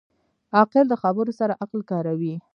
عاقل د خبرو سره عقل کاروي.